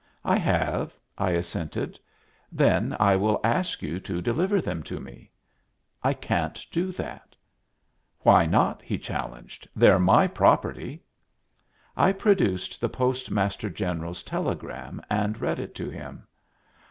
"I have," I assented. "Then I will ask you to deliver them to me." "I can't do that." "Why not?" he challenged. "They're my property." I produced the Postmaster General's telegram and read it to him.